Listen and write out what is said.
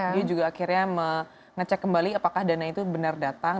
dia juga akhirnya mengecek kembali apakah dana itu benar datang